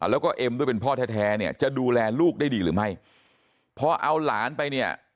แล้วก็เอ็มด้วยเป็นพ่อแท้แท้เนี่ยจะดูแลลูกได้ดีหรือไม่พอเอาหลานไปเนี่ย